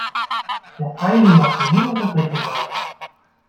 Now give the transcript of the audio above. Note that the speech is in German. Ja fein gemacht, und nun noch das rechte Bein.